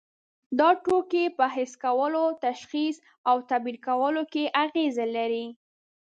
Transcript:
دا توکي په حس کولو، تشخیص او تعبیر کولو کې اغیزه لري.